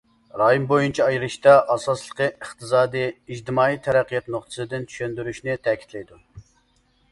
رايون بويىچە ئايرىشتا ئاساسلىقى ئىقتىسادىي ئىجتىمائىي تەرەققىيات نۇقتىسىدىن چۈشەندۈرۈشنى تەكىتلەيدۇ.